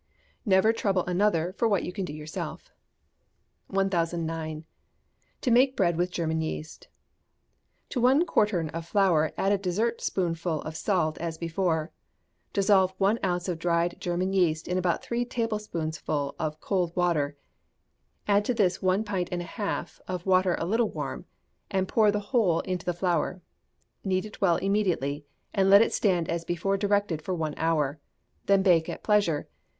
[NEVER TROUBLE ANOTHER FOR WHAT YOU CAN DO YOURSELF.] 1009. To make Bread with German Yeast. To one quartern of flour add a dessertspoonful of salt as before; dissolve one ounce of dried German yeast in about three tablespoonfuls of cold water, add to this one pint and a half of water a little warm, and pour the whole into the flour; knead it well immediately, and let it stand as before directed for one hour: then bake at pleasure.